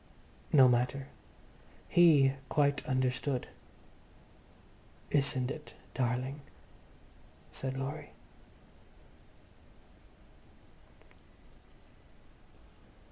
No matter. He quite understood. "Isn't it, darling?" said Laurie.